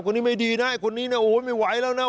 คนนี้ไม่ดีนะไอ้คนนี้นะโอ้ยไม่ไหวแล้วนะ